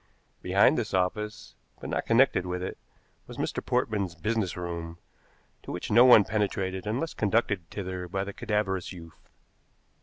Behind this office, but not connected with it, was Mr. Portman's business room, to which no one penetrated unless conducted thither by the cadaverous youth.